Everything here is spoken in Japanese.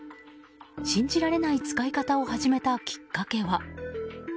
信じられない使い方を始めたきっかけは？